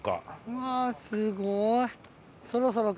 うわーすごい。